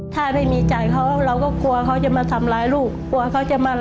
ถ้าไม่มีจ่ายเขาเราก็กลัวเขาจะมาทำร้ายลูก